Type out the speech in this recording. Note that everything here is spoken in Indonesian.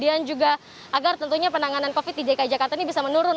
agar tentunya penanganan covid sembilan belas di dki jakarta ini bisa menurun